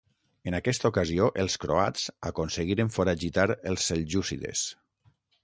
En aquesta ocasió els croats aconseguiren foragitar els seljúcides.